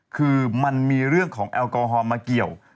คือมันมีเรื่องของแอลกอฮอลมาเกี่ยว